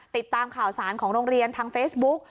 ติดตามข่าวสารของโรงเรียนทางเฟซบุ๊ก